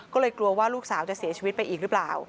ก็เลยกลัวว่าลูกสาวจะเสียชีวิตไปอีกหรือเปล่า